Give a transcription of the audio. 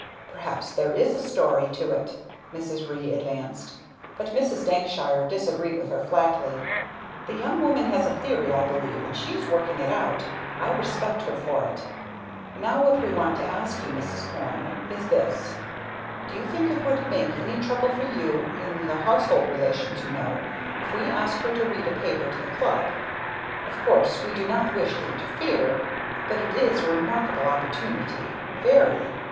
"Perhaps there is a story to it!" Mrs. Ree advanced; but Mrs. Dankshire disagreed with her flatly. "The young woman has a theory, I believe, and she is working it out. I respect her for it. Now what we want to ask you, Mrs. Porne, is this: do you think it would make any trouble for you in the household relations, you know if we ask her to read a paper to the Club? Of course we do not wish to interfere, but it is a remarkable opportunity very.